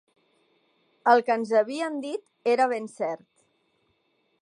El que ens havien dit era ben cert.